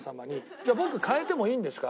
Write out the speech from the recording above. じゃあ僕変えてもいいんですか？